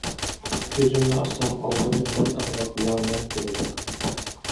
كۆزۈمنى ئاچسام ئالدىمدا مەن ئامراق لەڭمەن تۇرىدۇ.